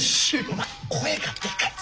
お前声がでかい！